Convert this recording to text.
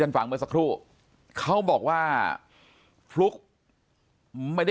ปากกับภาคภูมิ